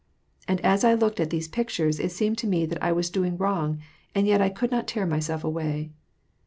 And as I looked at these pictures, it seemed to me that I was doing wrong, and yet I could not tear myself away.